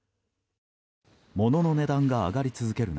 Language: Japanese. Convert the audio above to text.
物の値段が上がり続ける